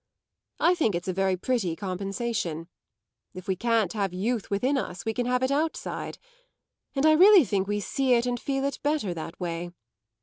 I think it's a very pretty compensation. If we can't have youth within us we can have it outside, and I really think we see it and feel it better that way.